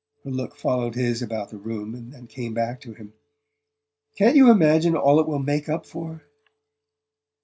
Her look followed his about the room and then came back to him. "Can't you imagine all it will make up for?"